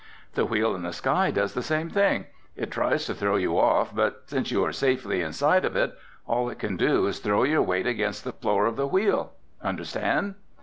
"The Wheel in the Sky does the same thing. It tries to throw you off, but since you are safely inside of it, all it can do is throw your weight against the floor of the Wheel. Understand?"